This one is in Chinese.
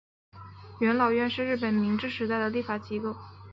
元老院是日本明治时代的立法机构。